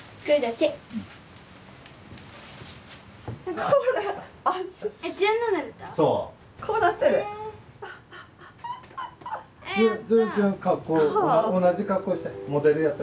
旬同じ格好して。